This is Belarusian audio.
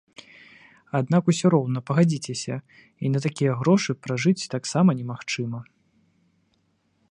Аднак усё роўна, пагадзіцеся, і на такія грошы пражыць таксама немагчыма.